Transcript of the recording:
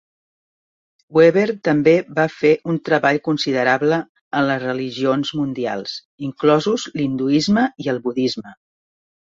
Weber també va fer un treball considerable en les religions mundials, inclosos l'hinduisme i el budisme.